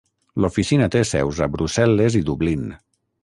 L'Oficina té seus a Brussel·les i Dublín.